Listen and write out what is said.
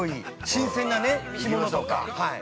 新鮮な干物とか。